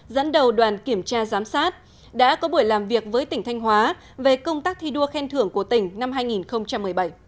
dẫn đầu đoàn kiểm tra giám sát đã có buổi làm việc với tỉnh thanh hóa về công tác thi đua khen thưởng của tỉnh năm hai nghìn một mươi bảy